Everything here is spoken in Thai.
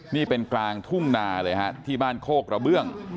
นี่เป็นกลางทุ่งนาเลยฮะที่บ้านโคกระเบื้อง